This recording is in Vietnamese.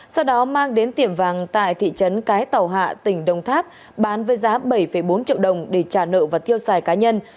sau đó mang đến tiệm vàng tại thị trấn cái tàu hạ tỉnh đồng tháp bán với giá bảy bốn triệu đồng để trả nợ và tiêu xài cá nhân